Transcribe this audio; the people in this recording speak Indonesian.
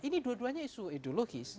ini dua duanya isu ideologis